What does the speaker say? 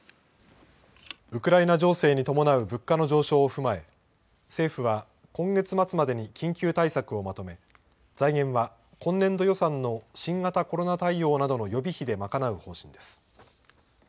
ウクライナ情勢に伴う物価の上昇を踏まえ、政府は、今月末までに緊急対策をまとめ、財源は今年度予算の新型コロナ対応などの予備費で賄う方針です。